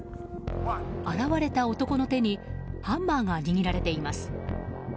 現れた男の手にハンマーが握られています。